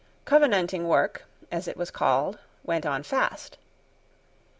Covenanting work, as it was called, went on fast.